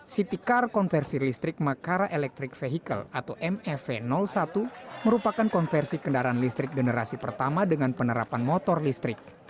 city car konversi listrik makara electric vehicle atau mev satu merupakan konversi kendaraan listrik generasi pertama dengan penerapan motor listrik